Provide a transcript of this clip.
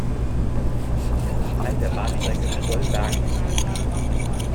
Es ist Teil der Bahnstrecke Stollberg–St.